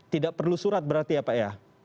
tidak perlu surat berarti ya pak ya